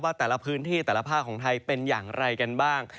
แต่ละพื้นที่แต่ละภาคของไทยเป็นอย่างไรกันบ้าง